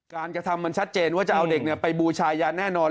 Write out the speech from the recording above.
กระทำมันชัดเจนว่าจะเอาเด็กไปบูชายันแน่นอน